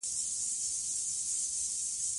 زغال د افغانستان د کلتوري میراث برخه ده.